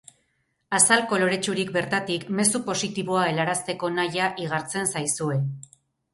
Azal koloretsutik bertatik, mezu positiboa helarazteko nahia igartzen zaizue.